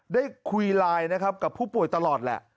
ได้คุยไลน์นะครับกับผู้ป่วยตลอดแหละ